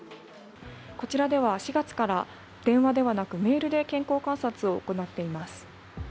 こちらでは４月から電話ではなくメールで健康観察を行っています。